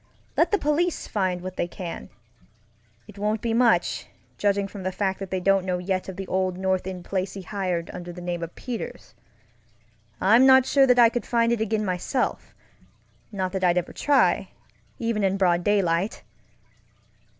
Let the police find what they canŌĆöit won't be much, judging from the fact that they don't know yet of the old North End place he hired under the name of Peters. I'm not sure that I could find it again myselfŌĆönot that I'd ever try, even in broad daylight!